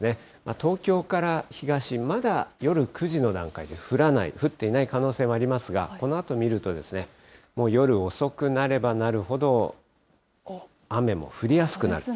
東京から東、まだ夜９時の段階で降らない、降っていない可能性がありますが、このあと見ると、夜遅くになればなるほど、雨も降りやすくなる。